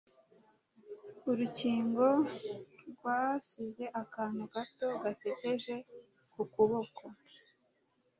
urukingo rwasize akantu gato gasekeje ku kuboko